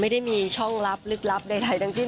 ไม่ได้มีช่องลับลึกลับใดทั้งสิ้น